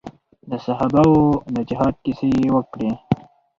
د صحابه وو د جهاد کيسې يې وکړې.